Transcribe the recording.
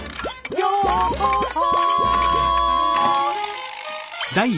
「ようこそ」